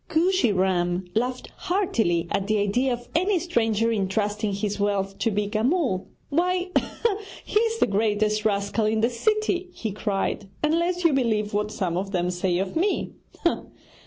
Kooshy Ram laughed heartily at the idea of any stranger entrusting his wealth to Beeka Mull. 'Why, he is the greatest rascal in the city,' he cried, 'unless you believe what some of them say of me!